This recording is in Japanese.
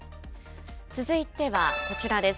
続いてはこちらです。